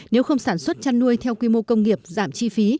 nếu không sản xuất chăn nuôi theo quy mô công nghiệp giảm chi phí